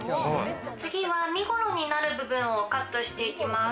次は身頃になる部分をカットしていきます。